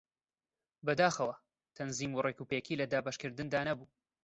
بەداخەوە تەنزیم و ڕێکوپێکی لە دابەشکردندا نەبوو